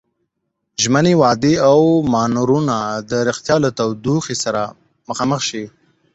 ژمنې، وعدې او مانورونه د ريښتيا له تودوخې سره مخامخ شي.